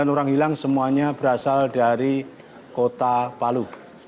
sembilan orang hilang semuanya berasal dari kota palu